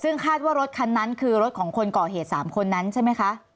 ซึ่งคาดว่ารถคันนั้นคือรถของคนก่อเหตุ๓คนนั้นใช่ไหมคะ